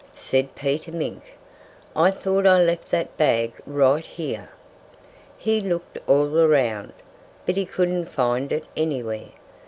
said Peter Mink. "I thought I left that bag right here." He looked all around, but he couldn't find it anywhere.